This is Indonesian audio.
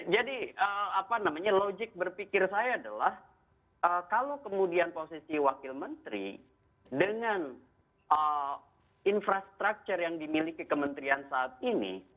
jadi apa namanya logik berpikir saya adalah kalau kemudian posisi wakil menteri dengan infrastructure yang dimiliki kementerian saat ini